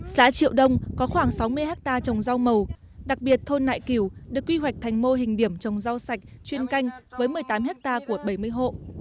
xã triệu đông có khoảng sáu mươi hectare trồng rau màu đặc biệt thôn nại kiều được quy hoạch thành mô hình điểm trồng rau sạch chuyên canh với một mươi tám hectare của bảy mươi hộ